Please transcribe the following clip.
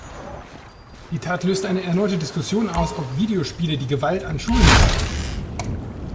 Die Tat löste eine erneute Diskussion aus, ob Videospiele die Gewalt an Schulen fördern.